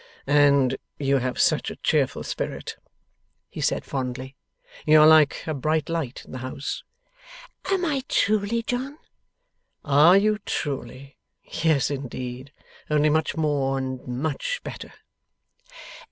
'And you have such a cheerful spirit!' he said, fondly. 'You are like a bright light in the house.' 'Am I truly, John?' 'Are you truly? Yes, indeed. Only much more, and much better.